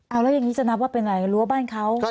เอาแล้วอย่างนี้จะนับว่าเป็นอะไรรั้วบ้านเขา